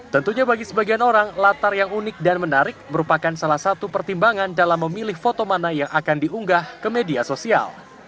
tentunya bagi sebagian orang latar yang unik dan menarik merupakan salah satu pertimbangan dalam memilih foto mana yang akan diunggah ke media sosial